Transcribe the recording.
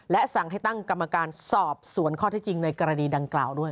และสั่งให้ตั้งกรรมการสอบสวนข้อที่จริงในกรณีดังกล่าวด้วย